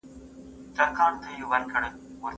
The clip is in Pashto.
زه امادګي نه نيسم!.